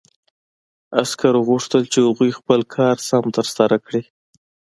عسکرو غوښتل چې هغوی خپل کار سم ترسره کړي